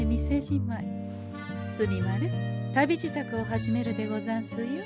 墨丸旅支度を始めるでござんすよ。